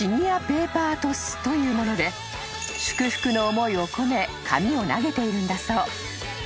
［というもので祝福の思いを込め紙を投げているんだそう］